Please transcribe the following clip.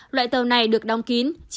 loại tàu này được đóng kín